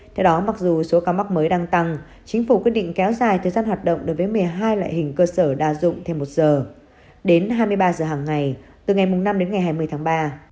theo đó mặc dù số ca mắc mới đang tăng chính phủ quyết định kéo dài thời gian hoạt động đối với một mươi hai loại hình cơ sở đa dụng thêm một giờ đến hai mươi ba giờ hàng ngày từ ngày năm đến ngày hai mươi tháng ba